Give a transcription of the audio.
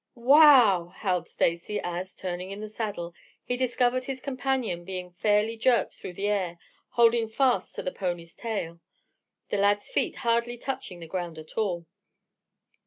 "Wow!" howled Stacy, as, turning in the saddle, he discovered his companion being fairly jerked through the air, holding fast to the pony's tail, the lad's feet hardly touching the ground at all.